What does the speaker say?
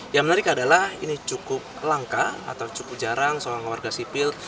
yang menarik adalah ini cukup langka atau cukup jarang seorang warga sipil